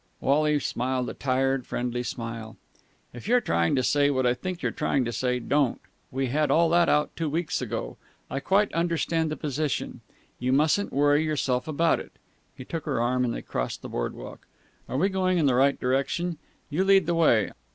Wally smiled a tired, friendly smile. "If you're trying to say what I think you're trying to say, don't! We had all that out two weeks ago. I quite understand the position. You mustn't worry yourself about it." He took her arm, and they crossed the boardwalk. "Are we going in the right direction? You lead the way.